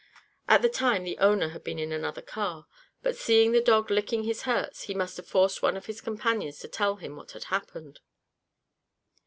At the time the owner had been in another car, but, seeing the dog licking his hurts, he must have forced one of his companions to tell him what had happened.